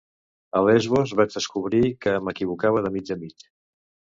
A Lesbos vaig descobrir que m'equivocava de mig a mig.